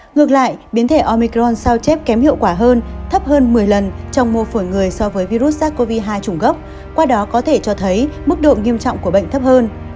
ngược lại biến thể omicron sao chép kém hiệu quả hơn thấp hơn một mươi lần trong mô phổi người so với virus sars cov hai trùng gốc qua đó có thể cho thấy mức độ nghiêm trọng của bệnh thấp hơn